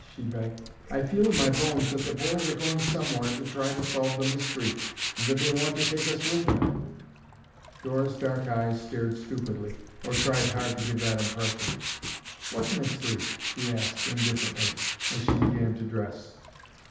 she begged. "I feel in my bones that the boys are going somewhere to try to solve the mystery and that they want to take us with them." Dora's dark eyes stared stupidly, or tried hard to give that impression. "What mystery?" she asked, indifferently, as she began to dress.